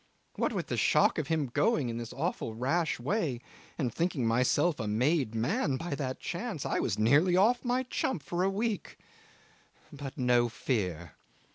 What with the shock of him going in this awful rash way, and thinking myself a made man by that chance, I was nearly off my chump for a week. But no fear.